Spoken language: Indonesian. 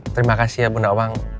terima kasih ya bu nawang